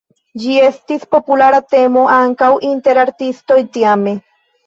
Ĝi estis populara temo ankaŭ inter artistoj tiame.